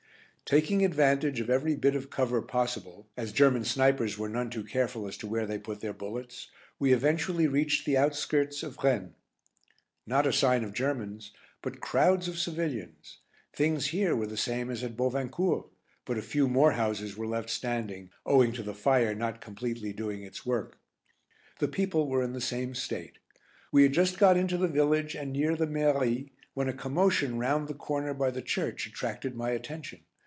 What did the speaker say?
Taking advantage of every bit of cover possible, as German snipers were none too careful as to where they put their bullets, we eventually reached the outskirts of Vraignes. Not a sign of Germans, but crowds of civilians. Things here were the same as at Bovincourt, but a few more houses were left standing owing to the fire not completely doing its work. The people were in the same state. We had just got into the village, and near the Mairie, when a commotion round the corner by the church attracted my attention.